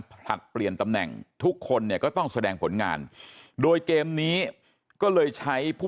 ผลัดเปลี่ยนตำแหน่งทุกคนเนี่ยก็ต้องแสดงผลงานโดยเกมนี้ก็เลยใช้ผู้